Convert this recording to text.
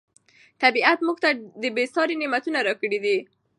طبیعت موږ ته ډېر بې ساري نعمتونه راکړي دي.